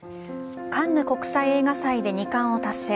カンヌ国際映画祭で２冠を達成。